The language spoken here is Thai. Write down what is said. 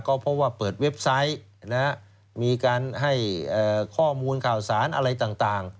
ก็เพราะว่าเปิดเว็บไซต์มีการให้ข้อมูลข่าวสารอะไรต่าง